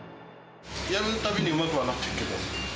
やるたびにうまくはなってるけど。